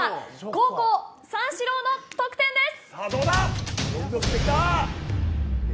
後攻、三四郎の得点です。